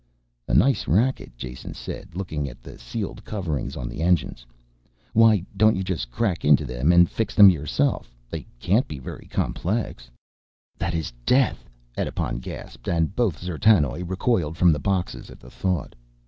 "A nice racket," Jason said, looking at the sealed covering on the engines. "Why don't you just crack into them and fix them yourself, they can't be very complex." "That is death!" Edipon gasped, and both D'zertanoj recoiled from the boxes at the thought.